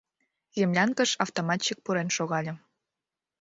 Землянкыш автоматчик пурен шогале.